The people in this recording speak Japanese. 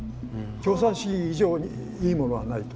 共産主義以上にいいものはないと。